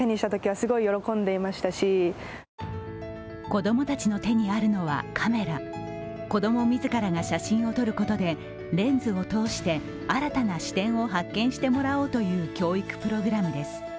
子供たちの手にあるのは、カメラ子供自らが写真を撮ることでレンズを通して新たな視点を発見してもらおうという教育プログラムです。